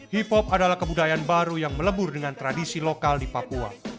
hipop adalah kebudayaan baru yang melebur dengan tradisi lokal di papua